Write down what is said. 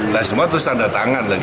nah semua terus tanda tangan lagi